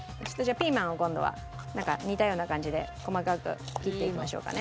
ピーマンを今度はなんか似たような感じで細かく切っていきましょうかね。